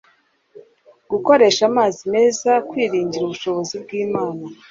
gukoresha amazi meza kwiringira ubushobozi bwImana